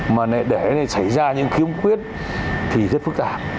mà để xảy ra những khiếm khuyết thì rất phức tạp